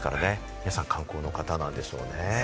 皆さん、観光の方なんでしょうね。